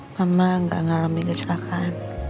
mama gak ngalamin kecelakaan